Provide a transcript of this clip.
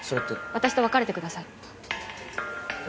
私と別れてください。